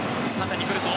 縦に来るぞ。